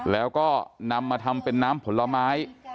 แล้วก็นำมาทำเป็นน้ำผลไม้